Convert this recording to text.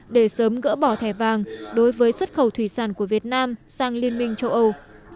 để sớm gỡ bỏ thẻ vàng đối với xuất khẩu thủy sản của việt nam sang liên minh châu âu